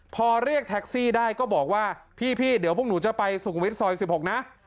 พอเรียกแท็กซี่ได้ก็บอกว่าพี่เดี๋ยวพวกหนูจะไปสุขุวิตซอย๑๖นะ